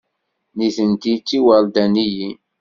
Nitenti d tiwerdaniyin.